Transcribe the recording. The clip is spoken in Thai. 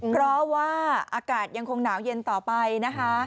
เพราะว่าอากาศยังคงหนาวเย็นต่อไปนะคะ